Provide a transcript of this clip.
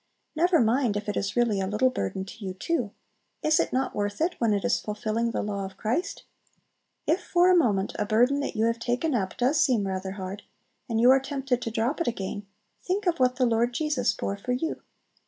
Never mind if it is really a little burden to you too; is it not worth it, when it is fulfilling the law of Christ? If for a moment a burden that you have taken up does seem rather hard, and you are tempted to drop it again, think of what the Lord Jesus bore for you!